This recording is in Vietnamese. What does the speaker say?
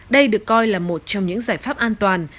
đây được coi là một trong những giải pháp an toàn